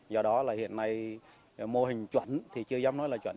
do đó là hiện nay mô hình chuẩn thì chưa dám nói là chuẩn